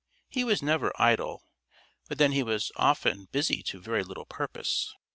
He was never idle, but then he was often busy to very little purpose.